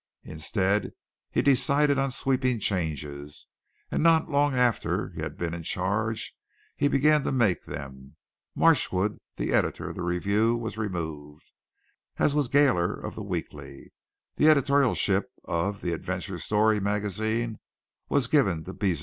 Instead he decided on sweeping changes and not long after he had been in charge he began to make them. Marchwood, the editor of the Review, was removed, as was Gailer of the Weekly. The editorship of the Adventure Story Magazine was given to Bezenah.